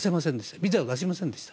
ビザを出しませんでした。